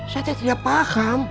saya tidak paham